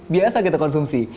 biasa kita konsumsi